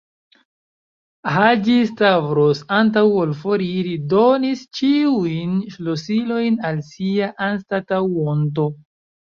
Haĝi-Stavros, antaŭ ol foriri, donis ĉiujn ŝlosilojn al sia anstataŭonto.